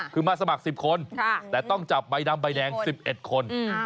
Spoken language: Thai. คือมาสมัคร๑๐คนแต่ต้องจับใบดำใบแดง๑๑คน